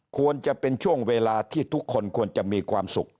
ควรจะเป็นช่วงเวลาที่ทุกคนควรจะมีความสุข